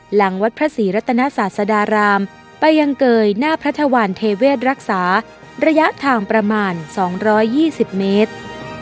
หลังวัดพระศรีรัตนศาสดารามไปยังเกยหน้าพระธวรเทเวศรักษาระยะทางประมาณ๒๒๐เมตร